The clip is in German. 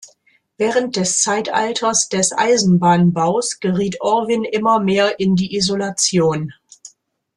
Während des Zeitalters des Eisenbahnbaus geriet Orvin immer mehr in die Isolation.